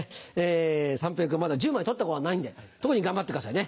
三平君まだ１０枚取ったことがないんで特に頑張ってくださいね